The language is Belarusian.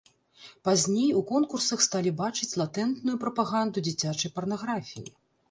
Пазней у конкурсах сталі бачыць латэнтную прапаганду дзіцячай парнаграфіі.